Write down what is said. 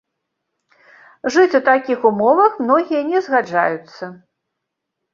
Жыць у такіх умовах многія не згаджаюцца.